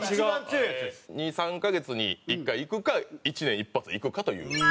２３カ月に１回いくか１年に１発いくかという。